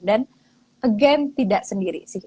dan again tidak sendiri sih